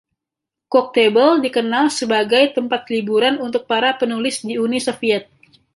Koktebel dikenal sebagai tempat liburan untuk para penulis di Uni Soviet.